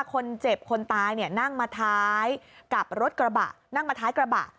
คนเจ็บคนตายน่างมาท้ายกับรถกระบะ